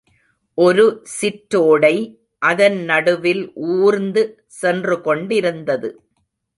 ஒரு சிற்றோடை அதன் நடுவில் ஊர்ந்து சென்று கொண்டிருந்தது.